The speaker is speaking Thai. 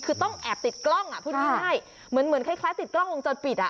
คือต้องแอบติดกล้องอ่ะพูดง่ายเหมือนคล้ายติดกล้องวงจรปิดอ่ะ